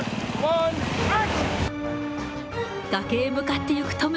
崖へ向かっていくトム。